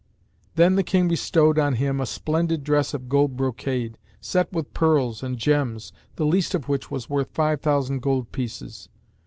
Then the King bestowed on him a splendid dress of gold brocade, set with pearls and gems, the least of which was worth five thousand gold pieces.